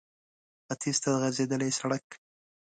ختيځ ته غځېدلی سړک